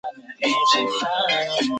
于是单独带着军队渡过黄河。